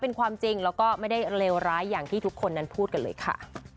เป็นความจริงแล้วก็ไม่ได้เลวร้ายอย่างที่ทุกคนนั้นพูดกันเลยค่ะ